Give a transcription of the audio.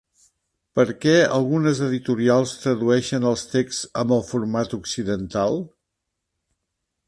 Per què algunes editorials tradueixen els texts amb el format occidental?